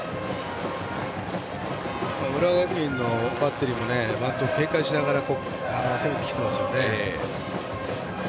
浦和学院のバッテリーもバントを警戒しながら攻めてきてますね。